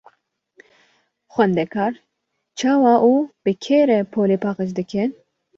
Xwendekar çawa û bi kê re polê paqij dikin?